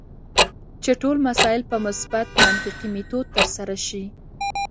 چې ټول مسایل په مثبت منطقي میتود ترسره شي.